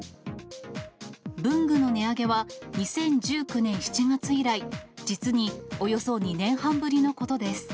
文具の値上げは２０１９年７月以来、実におよそ２年半ぶりのことです。